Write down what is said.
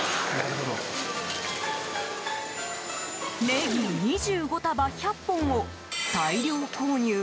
ネギ２５束１００本を大量購入。